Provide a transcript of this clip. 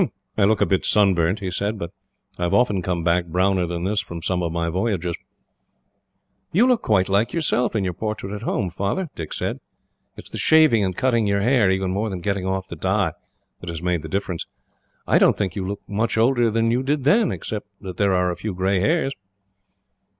"I look a bit sunburnt," he said, "but I have often come back, browner than this, from some of my voyages." "You look quite like yourself, in your portrait at home, Father," Dick said. "It is the shaving and cutting your hair, even more than getting off the dye, that has made the difference. I don't think you look much older than you did then, except that there are a few grey hairs."